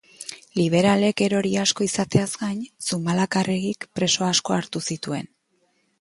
Liberalek erori asko izateaz gain, Zumalakarregik preso asko hartu zituen.